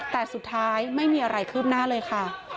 แต่สุดท้ายไม่มีอะไรคืบหน้าเลยค่ะ